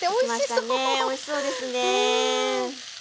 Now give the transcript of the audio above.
おいしそうですね。